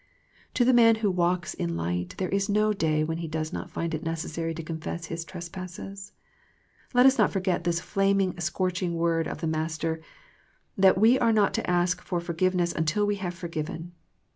To the man who walks in light there is no day when he does not find it necessary to confess his trespasses. Let us not forget this flaming scorching word of the Master, that we are not to ask for forgiveness until we have forgiven.